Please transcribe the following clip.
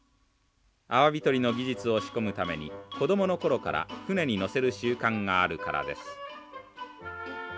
アワビ取りの技術を仕込むために子供の頃から船に乗せる習慣があるからです。